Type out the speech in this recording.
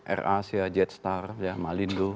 air asia jetstar malindo